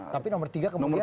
tapi nomor tiga kemudian